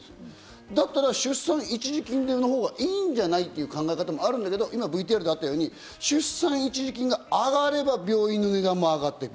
だったら出産一時金のほうがいいんじゃない？っていう考え方もあるんだけど、ＶＴＲであったように出産一時金が上がれば病院の値段も上がってく。